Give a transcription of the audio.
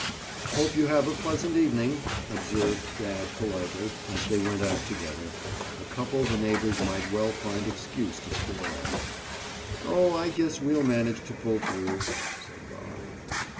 "Hope you have a pleasant evening," observed dad politely as they went out together, a couple the neighbors might well find excuse to stare at. "Oh, I guess we'll manage to pull through," said Bob.